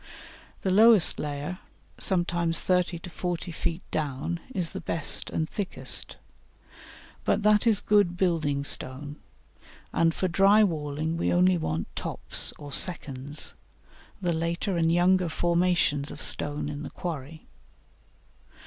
The lowest layer, sometimes thirty to forty feet down, is the best and thickest, but that is good building stone, and for dry walling we only want "tops" or "seconds," the later and younger formations of stone in the quarry.